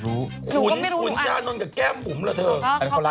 แต่เรื่องนี้หนูไม่ยุ่งนะแต่หนูก็อยากรู้